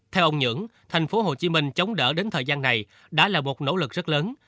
theo ông nhưỡng thành phố hồ chí minh chống đỡ đến thời gian này đã là một nỗ lực rất lớn